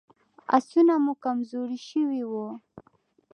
آسونه مو کمزوري شوي وو.